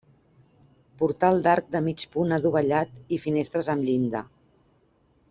Portal d'arc de mig punt adovellat i finestres amb llinda.